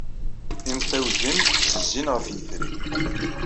Imtiwgen ttezzin ɣef yitri.